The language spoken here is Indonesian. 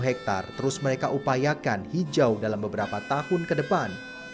mereka harus mereka upayakan hijau dalam beberapa tahun ke depan